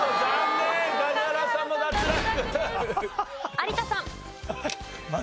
有田さん。